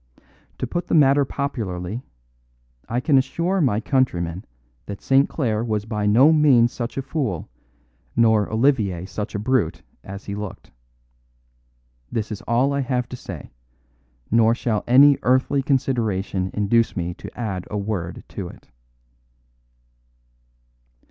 To put the matter popularly, I can assure my countrymen that St. Clare was by no means such a fool nor Olivier such a brute as he looked. This is all I have to say; nor shall any earthly consideration induce me to add a word to it.